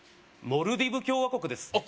モルディブ共和国です